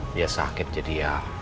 dia sakit jadi ya